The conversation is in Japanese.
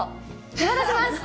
手放します。